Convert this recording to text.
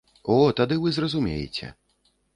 О, тады вы зразумееце.